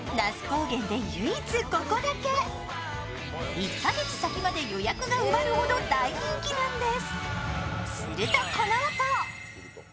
１か月先まで予約が埋まるほど大人気なんです。